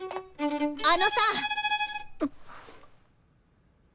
あのさ。